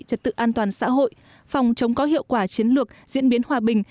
trật tự an toàn xã hội phòng chống có hiệu quả chiến lược diễn biến hòa bình